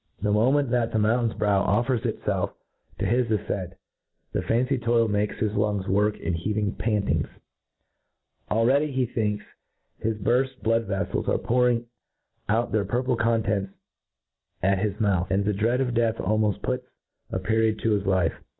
The moment that the mountain's brow offers itfelf to his afccnt, the fancied toil makes hi^ lungs work in heaving pantings; already he thinks his buril blood r yeffcls are pouring qut their purple contents at his^ . mouth, and the dfead qf death almoft puts a pe riod to Ifis life.